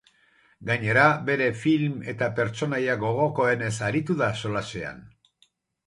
Gainera, bere film eta pertsonaia gogokoenez aritu da solasean.